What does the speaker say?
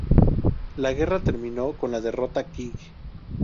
La guerra terminó con la derrota Qing.